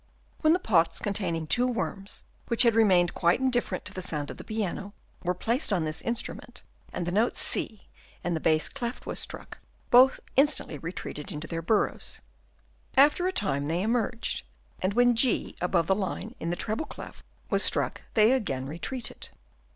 When the pots containing two worms which had remained quite indifferent to the sound of the piano, were placed on this instrument, and the note C in the bass clef was struck, both instantly retreated into their burrows. After a time they emerged, and when Gr above the line in the treble clef was struck they again retreated.